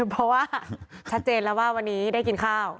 เพราะว่าชัดเจนแล้วว่าวันนี้ได้กินข้าว